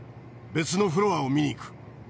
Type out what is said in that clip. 別のフロアを見に行く。